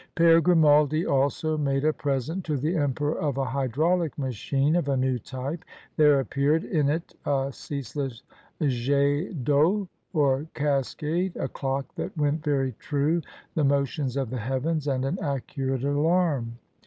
Pere Grimaldi also made a present to the emperor of a hydraulic machine of a new type. There appeared in it a ceaseless jet d'eau, or cascade, a clock that went very true, the motions of the heavens, and an accurate alarm.